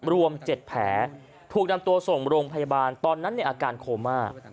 รวม๗แผลถูกนำตัวส่งโรงพยาบาลตอนนั้นในอาการโคม่า